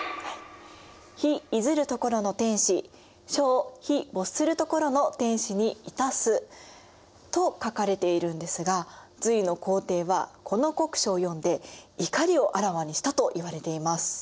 「日出づる処の天子、書を日没する処の天子に致す」と書かれているんですが隋の皇帝はこの国書を読んで怒りをあらわにしたといわれています。